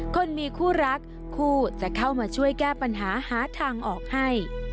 คนมีคู่รักคู่จะเข้ามาช่วยแก้ปัญหาหาทางออกให้